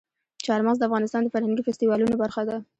چار مغز د افغانستان د فرهنګي فستیوالونو برخه ده.